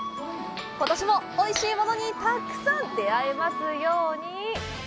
ことしもおいしいものにたくさん出会えますように！